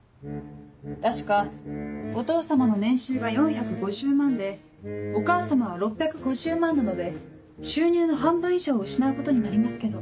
確かお父様の年収は４５０万でお母様は６５０万なので収入の半分以上を失うことになりますけど。